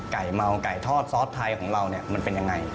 เมาไก่ทอดซอสไทยของเราเนี่ยมันเป็นยังไง